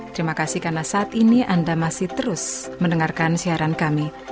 terima kasih karena saat ini anda masih terus mendengarkan siaran kami